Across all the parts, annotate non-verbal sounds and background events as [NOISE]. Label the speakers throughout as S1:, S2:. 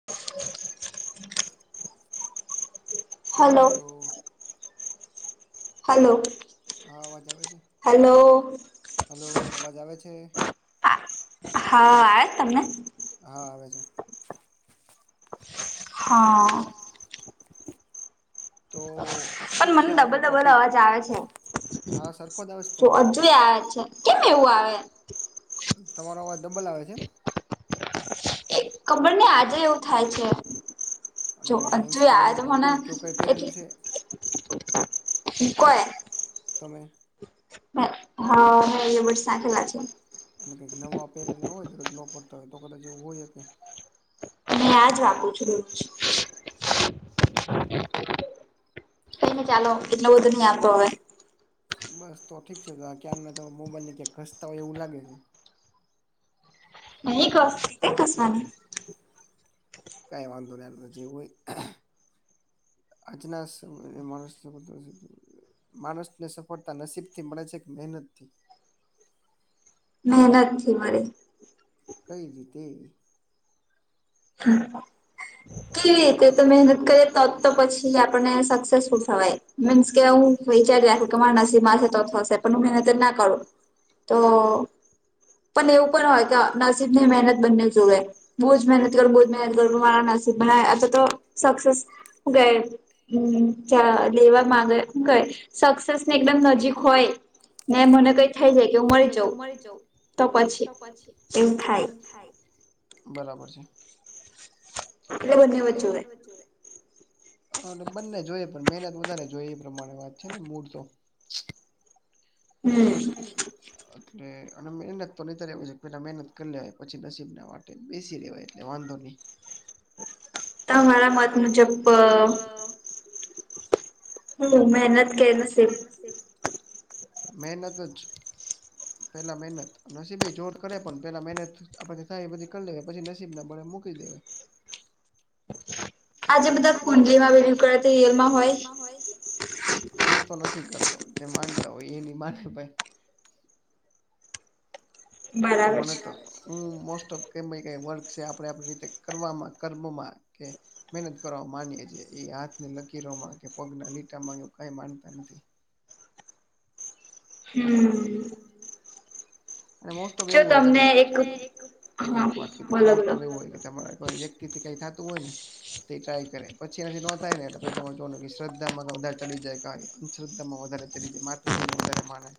S1: [INAUDIBLE]
S2: Hello.
S1: Hello.
S2: હા અવાજ આવે છે? હલો અવાજ આવે છે?
S1: હા આવે તમને?
S2: હા આવે છે.
S1: હા. પણ મને ડબલ ડબલ અવાજ આવે છે. જો અજુય આવે છે કેમ એવું આવે?
S2: તમારો અવાજ ડબલ આવે છે એમ?
S1: ખબર નય આજે એવું થાય છે. જો હજુય આવે છે મને એટલે કોય
S2: તમે
S1: હા મે ઇયરબડસ નાખેલા છે.
S2: અને કઈક નવા પહેરેલા હોયને રજ ન પડતા હોય કદાચ એવું હોય હકે
S1: આજ વાપરું છું રોજ કઈનઈ ચાલો એટલો બધો નઈ આવતો હવે
S2: બસ તો ઠીક છે તો આ ક્યાંરના તમે મોબાઈલ ને ક્યાંક ધસતા હોય એવું લાગે છે.
S1: નહી કસ ક્યાં ઘસવાની
S2: કાઈ વાંધો નય હાલો જે હોય આજના સમયમાં માણસને સફળતા નસીબથી મળે છે કે મહેનત થી?
S1: મહેનતથી મળે.
S2: કઈ રીતે?
S1: હમ કેવી રીતે તો મહેનત કરીએ તો તો પછી આપને સક્સેસફુલ થવાય. મીન્સ કે હું વિચાર્યા તમારા નસીબ માતો થશે છે પણ હું મહેનત ના કરું તો પણ એવું પણ હોય કે નસીબ ને મહેનત બંને જોએ બહુ જ મહેનત બોધ મે ગરબ મા નસીબ આ સક્સેસ ગય હમ્મ ચા લેવા માંગે શ ક સક્સેસ ને એકદમ નજીક હોય ને મને કય
S2: થઈ જાય કે હું મરી જઉં તો પછી એમ થાય. બરાબર છે.
S1: આપલે બધને વ જુંએ.
S2: હા, એટલે બંને જોઈએ પણ મહેનત વધારે જોઈએ એ પ્રમાણે વાત છે ને મૂળ તો
S1: હમ્મ.
S2: એટલે અને મહેનત તો નહિતર એમ છે પેલા મહેનત કરી લે પછી નસીબ ના વાત. બેસી રેવાય એટલે વાંધો નહીં.
S1: તમારા મત મુજબ અહ
S2: હમ્મ મહેનત કે નસીબ. પેલા મહેનત નસીબેય જોર કરે પણ પેલા મહેનત આપડથી થાય એ બધી કરી લેવાય પછી નસીબ ના બળે મુક કે દેવાય. આજે બધા કુંડલી માં વેલી કરે તો એમાં હોય? હું તો નથી કરતો જે માનતા હોય એની માથે ભાઈ. મનેતો હું મોસ્ટ ઓફ વર્ક છે આપડે આપડી રીતે કરવામાં કર્મમાં કે મહેનત કરવા માની એ છીએ ઈ હાથની લકીરોમાં કે પગના લીટામાં એવું કઈ માનતા નથી. હમ્મ, અને મોસ્ટ જો તમને એક એક એક વાત મોસ્ટ ઓફ હોય કે તમારે પાહે એક કે થી કઈ થાતું હોય ને તે ટ્રાય કરે પછી એનાથી નો થાય ને શ્રદ્ધામાં બધા ચડી જાય કાયા અંધશ્રદ્ધામાં વધારે ચઢી જાય માતાજી ને વધારે માને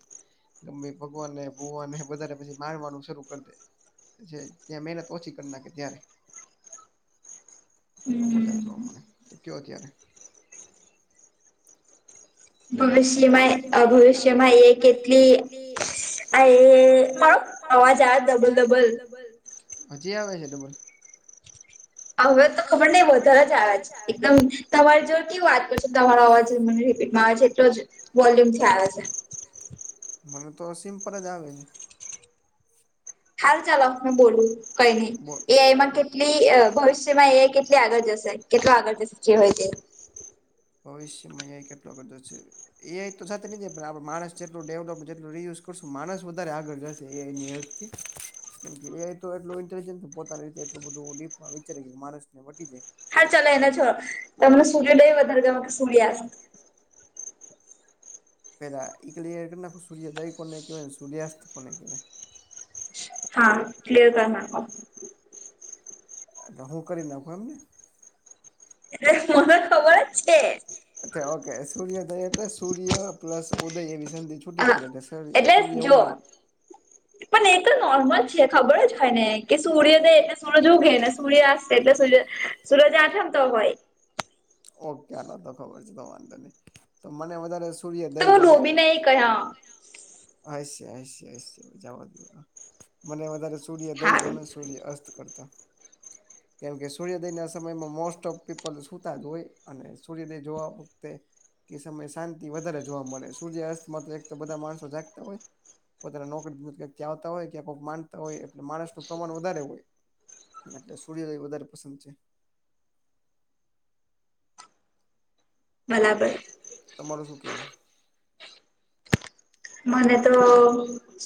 S2: ગમે ભગવાન ને ભુવાનને બધારે પછી મારવાનું શરૂ કર દે. જે તે મેહનત ઓછી કર નાખે ત્યારે. હો તો હમણે તો કયો અત્યારે ભવિષ્યમાં એ ભવિષ્યમાં એ કેટલી આ એ આવાજ આવે ડબલ ડબલ હજી આવે છે ડબલ?
S1: હવે તો ખબર નહીં વધારે જ આવે છે એકદમ તમારી જો કે વાત કરશો તમારો અવાજ મને મારે જેટલો જ વોલ્યુમ થી આવે છે.
S2: મને તો અહ સિમ્પલ જ આવે છે.
S1: હાલ ચાલો હું બોલું કઈ નહી એ એમાં કેટલી અહ ભવિષ્યમાં એ કે જે આગળ જશે કેટલો આગળ જશે જે હોય જે.
S2: ભવિષ્યમાં એ કેટલો કરદો છે. એ આઈ તો સાથે ની જાય પણ આપણે માણસ જેટલું ડેવલપ જેટલુ રીય્યુઝ કરશું માણસ વધારે આગળ જશે એ આઈ ની અહ થી. કેમ કે એ આઈ તો એટલું ઇન્ટલિજટ પોતાની રીતે એટલું બધું ડીપમાં વિચારે કે માણસ ને વટી જાય.
S1: હા ચાલો એને છોડો તમને સૂર્ય દય વધારે ગમે કે સૂર્યાસ્ત.
S2: પેલા ઈ ક્લીઅર કર નાખું કે સૂર્યદય કોને કહેવાય ને સૂર્યાસ્ત કોને કહેવાય?
S1: હા, ક્લિયર કરનાખો.
S2: હૈ કે હું કરી નાખું એમને.
S1: એ મને ખબર જ છે.
S2: અછા ઓકે સૂર્યદય એટલે સૂર્ય પ્લસ ઉદય એવી સંધિ છૂ છુટી પડે કા સર સૂર્ય ઉગે.
S1: [INAUDIBLE] પણ એ તો નોર્મલ છે ખબર જ હોય ને કે સૂર્ય દય એટલે સૂરજ ઉગે ને સૂર્ય આસથે એટલે સૂર્ય સૂરજ આઠમ તો હોય.
S2: ઓકે આનો તો ખબર છે તો વાંધો નહી તો મને વધારે સૂર્યદય ગમે આયસે આયસે આયસે હવે જવાદો ના મને વધારે સૂર્ય દય ગમે સૂર્ય આસ્ત કરતા. કેમકે સૂર્યોદયના સમયમાં મોસ્ટ ઓફ પીપલો સુતા જ હોય. અને સૂર્યદે જોવા વખતે કે સમય શાંતિ વધારે જોવા મળે સૂર્યા અસ્તમાં તો એક તો બધા માણસો જાગતા હોય પોતાના નોકરી [UNINTELLIGIBLE] ક્યાંકથી આવતા હોય કેઈક માનતા હોય એટલે માણસનું પ્રમાણ વધારે હોય. અને એટલે સૂર્યોદય વધારે પસંદ છે.
S1: બરાબર
S2: તમારું શું કેવું?
S1: મને તો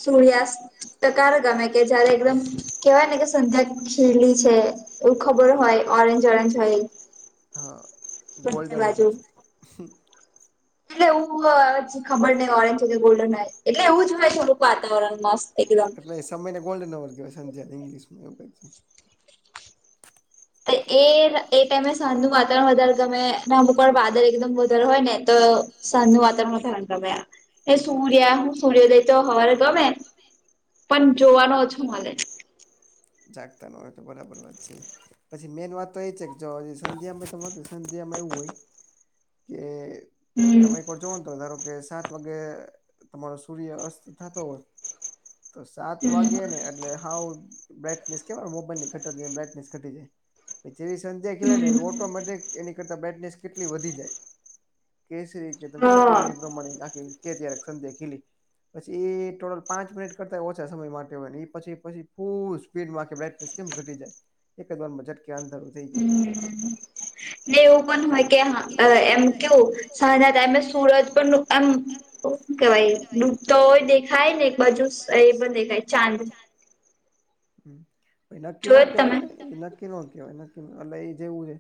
S1: સુર્યાઆસ્ત તો ક્યારે ગમે કે જયારે એકદમ કેહેવાય ને કે સંધ્યા ખીલી છે. એઉ ખબર હોય ઓરેન્જ ઓરેન્જ હોય
S2: હા ગોલ્ડન હવરસ
S1: એટલે એવું અ જ ખબર નઈ ઓરેન્જ હોય કે એટલે ગોલ્ડન હોય એટલે એવું હોય થોડું વાતાવરણ મસ્ત
S2: એટલે એ સમયને ગોલ્ડન હવર કેવાય સંધ્યાંને ઇંગ્લિશમાં એવું કઈક છે
S1: તો એ એ ટાઈમે સાંજ નનું વાતાવરણ વધારે ગમે અમુક વાર વાદળ એકદમ વધારે હોય ને તો સાંજ નું વાતાવરણ વધારાનું ગમે. એ સૂર્ય હું સૂર્યોદય તો હવારે ગમે પણ જોવાનો ઓછો મળે.
S2: જાગતા નો હોય તો બરાબર વાત છે. પછી મેન વાત તો એ છે કે જો અજી સંધ્યામાં તો સંધ્યામાં એવું હોય. કે તમારી કોણ જો ન તો ધારો કે સાત વાગે તમારો સૂર્ય અસ્ત થતો હોય. તો સાત વાગે ને એટલે હાઉ બ્રાઈટનેસ કેવાનું મોબાઈલની ઘટા જાય બ્રાઈટનેસ ઘટી જાય. જેવી સંધ્યા ખીલે ને એવી ઓટોમેટિક એની કરતા બેડનેસ કેટલી વધી જાય. કેસરી કે તમે કહ્યો ને પીડું એ પ્રમાણે આખી કે ત્યારે સંધ્યા ખીલી. પછી એ ટોટલ પાંચ મિનિટ કરતાય ઓછા સમય માટે હોય ને એ પછી પછી ફુસ. સ્પીડટ મા આકે બ્રાઇટનેસ કેમ ઘટી જાય એકદવારમાં ઝટકે અંધરું થઈ જાય.
S1: ને એવું પણ હોય કે હા અહ એમ કેવુંજ સારા ટાઈમ સુરત પણ આમ તો શું કેવાય ડૂબતા હોય દેખાય ને એક બાજુ એ પણ દેખાય ચાંદ.
S2: હમ્મ પછી નક્કી નો કેવાય ન ઈ નક્કી નો કેવાય નક્કી નો એટલે ઈ જેવું હે.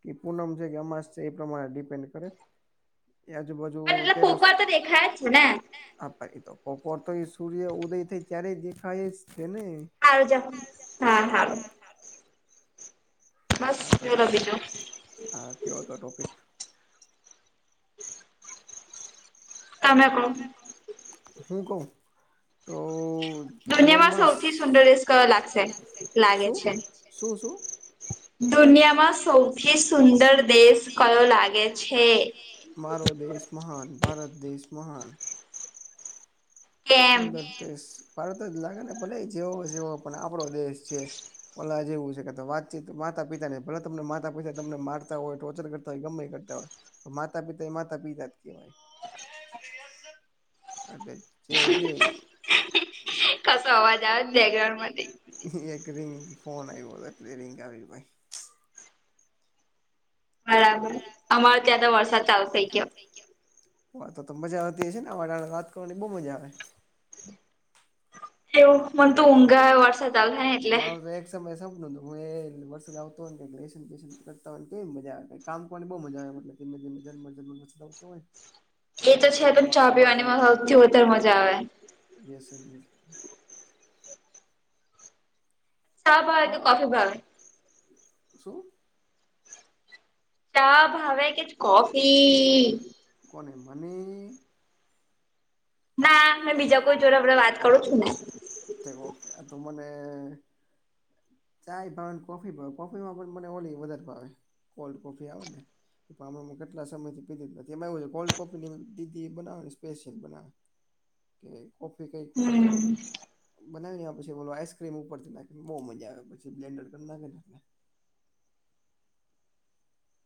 S2: કી પૂનમ છે કે અમાસ છે એ પ્રમાણે ડિપેન્ડ કરે એ આજુબાજુ. તેરસ [UNINTELLIGIBLE] આપે ઈ તો કોકોર તો એ સૂર્ય ઉદય થાય ત્યારે દેખાય જ છે ને.
S1: આવ જો હા હા.
S2: હા પ્લસ હા કયો હતો ટોપિક?
S1: હ.
S2: તમે કહો હું કઉ તો જીવનમાં સૌથી સુંદર લાગશે શું લાગે છે શું શું?
S1: દુનિયામાં સૌથી સુંદર દેશ કયો લાગે છે?
S2: મારો દેશ મહાન ભારત દેશ મહાન. સુંદર દેશ ભારત જ લાગે ને ભલે એ જેવો જેવો પણ આપણો દેશ છે. ઓલા જેવું છે કે વાતચીત માતા પિતા ભલા તમને માતા પિતા તમને મારતા હોય ટોચર કરતા ગમે કરતા હોય માતા પિતા એ માતા પિતા જ કેહવાય. એટલે જે છે.
S1: કસો અવાજ આવે જ બેકગ્રાઉન્ડ માંથી?
S2: એક રિંગ ફોન આવ્યો એટલી રિંગ આવી ભાઈ.
S1: બરાબર અમારા ત્યાં તો વરસાદ ચાલુ થઇ ગયો.
S2: હ તો મજા આવતી હશે ને અ વાત કરવાની બહુ મજા આવે.
S1: એવું મને તું ઊંઘ આવે વરસાદ ચાલુ થાય ને એટલે
S2: સમય હું વરસાદ આવતો કે લેશન બેશન કરતો હોય કેવી મજા આવે. કામ કરવાની બોવ મજા આવે મતલબ ધીમે ધીમે ઝરમર ઝરમર પડતો હોય.
S1: એ તો છે પણ ચા પીવાનીમાં સૌથી વધારે મજા આવે.
S2: [UNINTELLIGIBLE] ખા શું.
S1: ચા ભાવે કે કોફી?
S2: કોને મને?
S1: ના મે બીજા કોઈ જોડે આવડે વાત કરું છું ને.
S2: ઓકે તો મને ચાય ભાવેને કોફી ભાવ કોફીમાં પણ મને ઓલી વધારે ભાવે કોલ્ડ કોફી આવે ને એ હમણાંમાં કેટલાય સમયથી પીધી નથી એમાં એવું છે કોલ્ડ કોફીની દીદી એ બનાવેને સ્પેશિયલ બનાવે. કે કોફી કંઈક બનાવીને પછી બોલો આઈસક્રીમ ઉપરથી નાખીને બહુ મજા આવે પછી બ્લેન્ડર કરી નાખે એટલે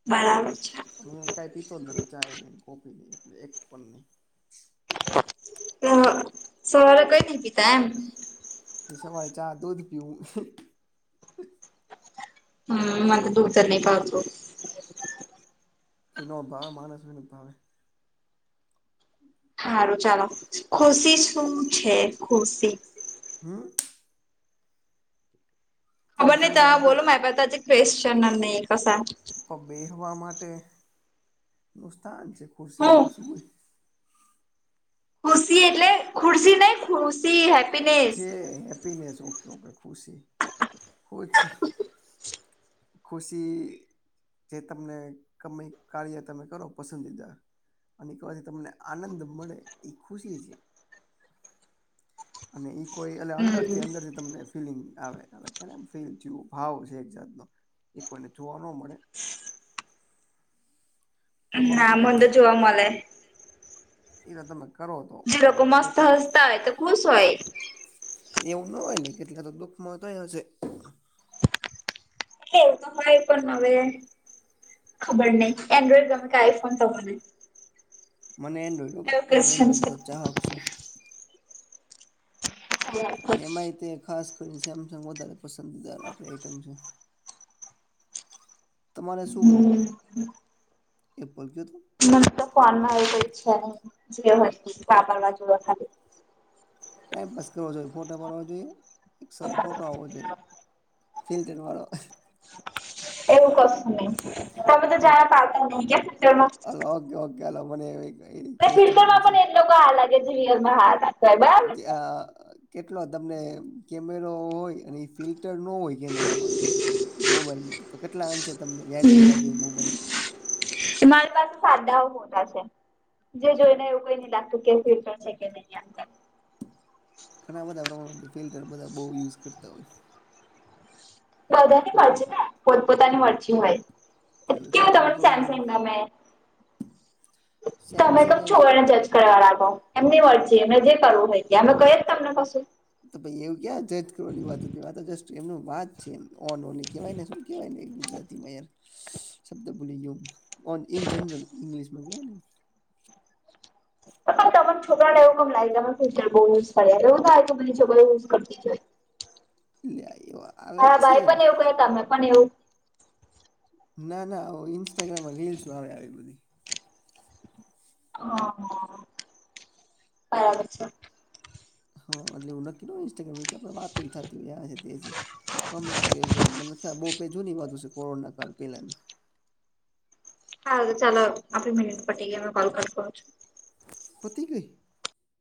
S1: બરાબર છે.
S2: પણ હું કાઈ પીતો જ નથી ચાય ન કોપી ન એટલે એક પણ નહી.
S1: ત સવારે કઈ નહિ પીતા એમ?
S2: એ સવારે ચા, દૂધ પીવું.
S1: હમ મને ત દૂધ જ નહીં ભાવતું.
S2: એનો ભાવ માણસને જ ભાવે.
S1: હારું ચાલો, ખુશી શું છે ખુશી?
S2: હમ.
S1: ખબર નહી તો આ બોલો મારી પાસે આજે ક્યુસ્શન નહી કસા.
S2: આપ બેહવા માટેનું સ્થાન છે ખુરશી, બીજું શું હોય?
S1: સી એટલે ખુરશી ને ખુશી હા
S2: છે હેપીનેસ, ઓકે ઓકે ખુશી. ખુશી જે તમને કમ કાર્ય તમે કરો પસંદીદા અને એ કહેવાથી તમને આનંદ મળે એ ખુશી છે. અને ઈ કોઈ એટલે અંદરથી અંદરથી તમને ફિલિંગ આવે. એનેમ ફીલ થયું ભાવ છે એક જાતનો, એ કોઈને જોવા ન મળે. તમારું શું કેવું છે? એરા તમે કરો તો [UNINTELLIGIBLE] એવું ન હોય ને કેટલા તો દુખમાં થયો હશે.
S1: એટલે એવું તો હોય પણ હવે ખબર નહી. એન્ડ્રોઈડ ગમે કે આઈફોન તમને?
S2: મને એન્ડ્રોઈડ હો ભાઈ હું એન્ડ્રોઈડ નોજ ચાહક છું. અને એમાંય તે ખાસ કરીને સેમસંગ વધારે પસંદાર આપણે આઈટમ છે. તમારે શું ગમે? એપલ કીધું.
S1: ફોનમાં એવું કાઈ ઈચ્છા નહી. જે હોય તે વાપરવા જોઈએ ખાલી.
S2: ટાઈમપાસ કરવા જોઈએ, ફોટા પારવા જોઈએ, એક સારો ફોટો આવવો જોઈએ. ફિલ્ટર વાળો.
S1: એવું કશું નહી. તમે તો જાણે પાડતા નહી કે ફિલ્ટરમાં.
S2: ઑગ ઑગ કેલા મને [INAUDIBLE]
S1: એ ફિલ્ટરમાં પણ એજ લોકો હારા લાગે જે રીયલમાં હારા લાગ.
S2: જે આ કેટલો તમને કેમેરો હોય અને એ ફિલ્ટર ન હોય. કેમેરામાં કે મોબાઈલમાં તો કેટલા અંશે તમને વ્યાજ બી લાગે એ મોબાઈલ?
S1: એ મારી પાસે સાદાહો ફોટા છે. જે જોઈને એવું કઈ નઈ લાગતું કે એ ફિલ્ટર છે કે નહી એમ તેમ.
S2: ઘણા બધા પ્રમાણમાં તો ફિલ્ટર બધા બહુ યુઝ કરતા હોય.
S1: બધાની મરજી ને પોતપોતાની મરજી હોય, ક્યાં તમને સેમસંગ ગમે. તમે તો ચોરાઈ ને જજ કર્યા રાખો એમની મરજી એને જે કરવું હોય તે અમે કહીએ છ તમને પછી.
S2: તો ભાઈ એવું ક્યાં જજ કરવાની વાત હતી આતો જસ્ટ એમનું વાત. છે ઓન ઓને કેવાય ને શું કેવાયને ગુજરાતીમાં યાર શબ્દ ભૂલી ગયો. ઓન ઇન જનરલ ઈંગ્લિશમાં કહેવાય ને.
S1: પણ તો પણ છોકરાને એવું કમ લાગે ફ્યુચર બહુ યુઝ કરે એટલે એવું થાય કે બધી છોકરીઓ યુઝ કરતી જ હોય.
S2: એહા એવા
S1: આવા ડાયપરને એવું પેરતા અમે પણ એવું.
S2: ના, ના, આવો ઇન્સ્ટાગ્રામમાં રીલ્સો આવે આવી બધી.
S1: હા, હા. બરાબર છે.
S2: હા એટલે એવું નક્કી ન હોય ઇન્સ્ટાગ્રામ વિશે પણ વાતોને થાતી હોય આ છે તે છે. હમણાં તો એવું કાઈ બહુ જૂની વાતું છે કોરોના કાળ પેલાની.
S1: હા તો ચાલો આપણે મનિટ પતી ગયા આપણે કોલ કટ કરું છું.
S2: પતિ ગઈ?